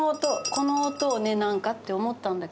この音をねなんかって思ったんだけど。